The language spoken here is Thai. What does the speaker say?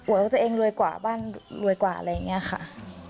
ว่าตัวเองรวยกว่าบ้านรวยกว่าอะไรอย่างนี้ค่ะ